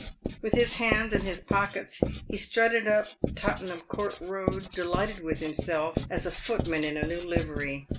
"With his hands in his pockets, he strutted up Tottenham court road, delighted with himself as a footman in a new livery.